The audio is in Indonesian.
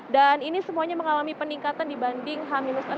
dan ini semuanya mengalami peningkatan dibanding h enam